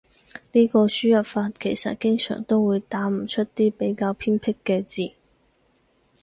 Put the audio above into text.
呢個輸入法其實經常都會打唔出啲比較偏僻嘅字